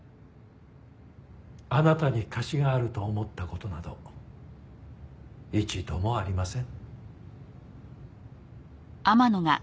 あなたに貸しがあると思った事など一度もありません。